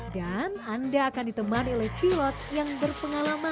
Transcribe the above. dan anda akan diteman oleh pilot yang berpengalaman